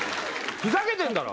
ふざけてんだろ！